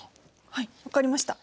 はい分かりました。